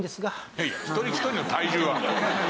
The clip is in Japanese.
いやいや一人一人の体重は。